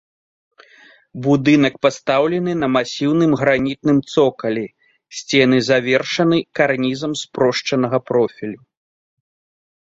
Будынак пастаўлены на масіўным гранітным цокалі, сцены завершаны карнізам спрошчанага профілю.